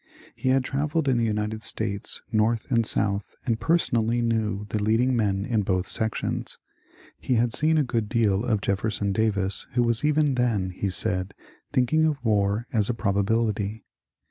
He had travelled in the United States, north and south, and person ally knew the leading men in both sections. He had seen a good deal of Jefferson Davis who was even then, he said, thinking of war as a probability.